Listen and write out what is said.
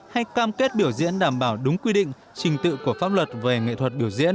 hay cam kết biểu diễn đảm bảo đúng quy định trình tự của pháp luật về nghệ thuật biểu diễn